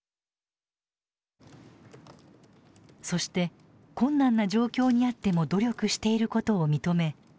そして困難な状況にあっても努力していることを認め